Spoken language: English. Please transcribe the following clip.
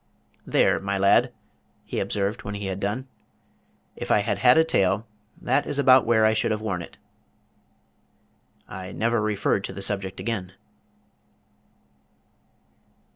"There, my lad," he observed when he had done. "If I had had a tail that is about where I should have worn it." I never referred to the subject again.